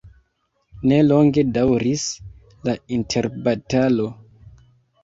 Ne longe daŭris la interbatalo.